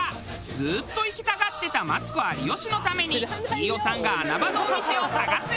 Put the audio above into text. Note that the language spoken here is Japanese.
ずっと行きたがってたマツコ有吉のために飯尾さんが穴場のお店を探す！